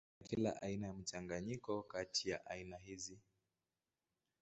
Kuna kila aina ya mchanganyiko kati ya aina hizi.